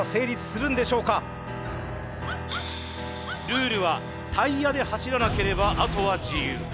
ルールはタイヤで走らなければあとは自由。